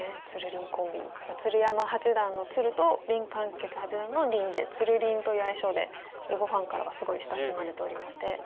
鶴山八段の「つる」と林漢傑八段の「りん」でつるりんという愛称で囲碁ファンからはすごい親しまれておりまして。